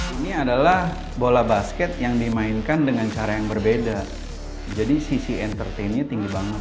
ini adalah bola basket yang dimainkan dengan cara yang berbeda jadi sisi entertainnya tinggi banget